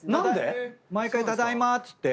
毎回ただいまっつって。